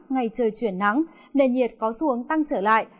ngày trời chuyển nắng nền nhiệt có xuống tăng trở lại